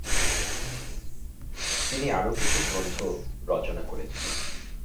তিনি আরো কিছু গ্রন্থ রচনা করেছেন।